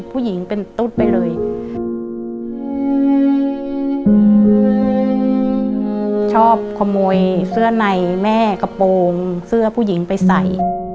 เป็นแบบสุดท้าย